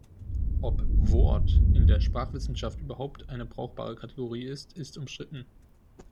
Ob „Wort“ in der Sprachwissenschaft "überhaupt" eine brauchbare Kategorie ist, ist umstritten.